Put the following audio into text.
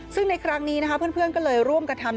ซึ่งในครั้งนี้นะคะเพื่อนก็เลยร่วมกระทำ